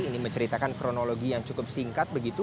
ini menceritakan kronologi yang cukup singkat begitu